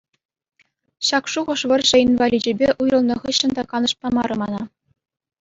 Ҫак шухӑш вӑрҫӑ инваличӗпе уйрӑлнӑ хыҫҫӑн та канӑҫ памарӗ мана.